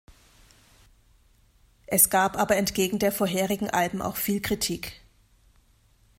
Es gab aber entgegen der vorherigen Alben auch viel Kritik.